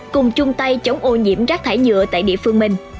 cùng chung tay chống ô nhiễm rác thải nhựa tại địa phương mình